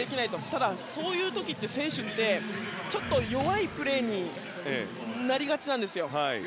ただ、そういう時って選手ってちょっと弱いプレーになりがちなんですよ。